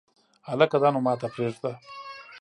هلکه دا نو ماته پرېږده !